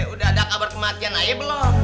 udah ada kabar kematian aja belum